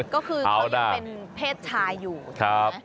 ก็คือเขายังเป็นเพศชายอยู่ใช่ไหม